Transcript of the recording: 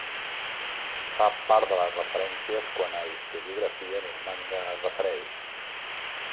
Fa part de les referències quant a historiografia normanda es refereix.